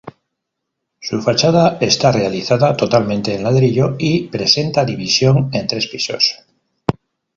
Su fachada está realizada totalmente en ladrillo y presenta división en tres pisos.